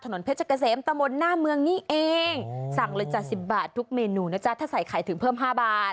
เพชรเกษมตะมนต์หน้าเมืองนี่เองสั่งเลยจ้ะสิบบาททุกเมนูนะจ๊ะถ้าใส่ไข่ถึงเพิ่ม๕บาท